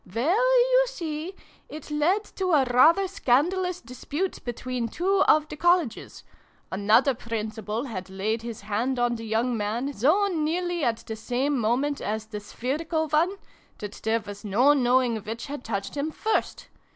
" Well, you see, it led to a rather scandal ous dispute between two of the Colleges. Another Principal had laid his hand on the young man, so nearly at the same moment as the spherical one, that there was no know ing which had touched him first.